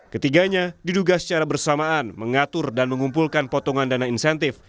ketiganya diduga secara bersamaan mengatur dan mengumpulkan potongan dana insentif